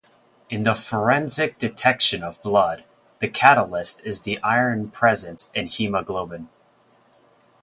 In the forensic detection of blood, the catalyst is the iron present in haemoglobin.